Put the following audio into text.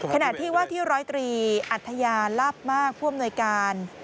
ขนาดที่ว่าที่๑๐๓อัธยาลาบมากพ่วนโนยการ